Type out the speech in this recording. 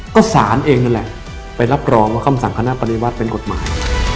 ก็สารเองนั่นแหละไปรับรองว่าคำสั่งคณะปฏิวัติเป็นกฎหมาย